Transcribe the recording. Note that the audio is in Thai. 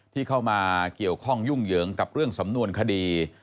ที่เข้ามาเกี่ยวข้องยุ่งเหยิงกับเรื่องสำนวนคดี